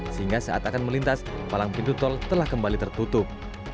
sehingga saat akan melintas palang pintu tol telah kembali tertutup